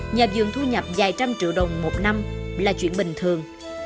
nhà vườn thu nhập vài trăm triệu đồng một năm là chuyện bình thường